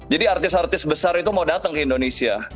jadi artis artis besar itu mau datang ke indonesia